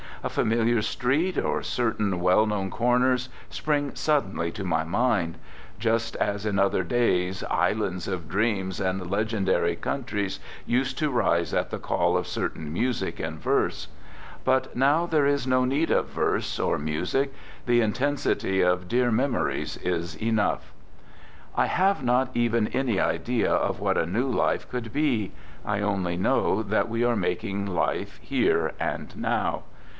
A familiar street, or certain well known corners, spring suddenly to my mind — just as in other days islands of dreams and legendary countries used to rise at the call of certain music and verse. But now there is no need of verse or music ; the intensity of dear memories is enough. January 23, 1915. 8 "THE GOOD SOLDIER I have not even any idea of what a new life could be; I only know that we are making life here and now.